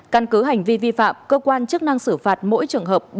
căn cứ hành vi vi phạm cơ quan chức năng xử phạt mỗi trường hợp bảy năm triệu đồng